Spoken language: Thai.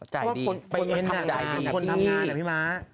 จ่ายดีจ่ายดีพี่ม้าคุณทำงาน